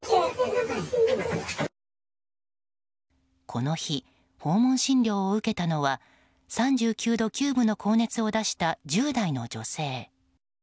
この日、訪問診療を受けたのは３９度９分の高熱を出した１０代の女性。